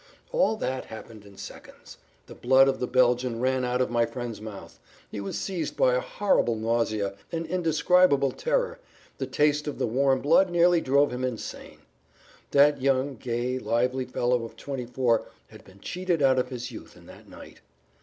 All that happened in seconds. The blood of the Belgian ran out of my friend's mouth; he was seized by a horrible nausea, an indescribable terror, the taste of the warm blood nearly drove him insane. That young, gay, lively fellow of twenty four had been cheated out of his youth in that night.